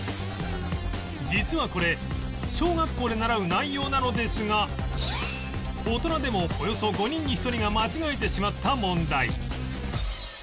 実はこれ小学校で習う内容なのですが大人でもおよそ５人に１人が間違えてしまった問題